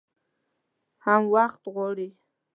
هم وخت غواړي .